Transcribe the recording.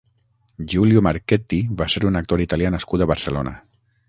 Giulio Marchetti va ser un actor italià nascut a Barcelona.